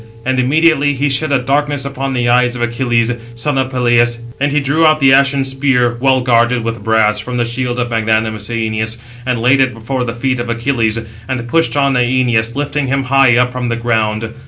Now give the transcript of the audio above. And immediately he shed a darkness upon the eyes of Achilles, son of Peleus, and he drew out the ashen spear, well guarded with brass, from the shield of magnanimous Æneas; and laid it before the feet of Achilles, and pushed on Æneas, lifting him high up from the ground.